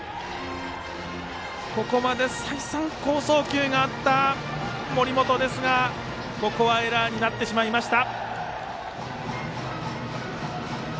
ここまで再三好送球があった森本ですがエラーになってしまいました。